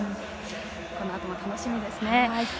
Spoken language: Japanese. このあとも楽しみですね。